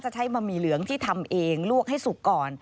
ใช้บะหมี่เหลืองที่ทำเองลวกให้สุกก่อน